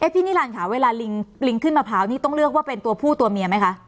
พี่นิรันดิค่ะเวลาลิงขึ้นมะพร้าวนี่ต้องเลือกว่าเป็นตัวผู้ตัวเมียไหมคะ